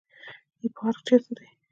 پارک چیرته دی؟